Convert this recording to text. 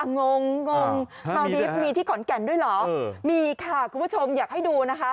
งงงงงเมาดีฟมีที่ขอนแก่นด้วยเหรอมีค่ะคุณผู้ชมอยากให้ดูนะคะ